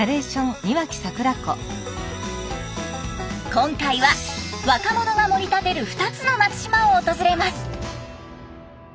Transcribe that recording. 今回は若者が盛り立てる２つの松島を訪れます。